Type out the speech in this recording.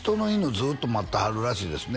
ずっと待ってはるらしいですね